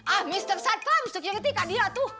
ah mr satpam sekiranya kak dia tuh